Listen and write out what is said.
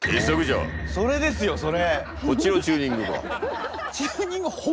それですよそれ！